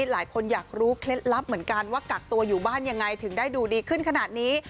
หลายคนอยากรู้เคล็ดลับเหมือนกันว่ากักตัวอยู่บ้านยังไงถึงได้ดูดีขึ้นขนาดนี้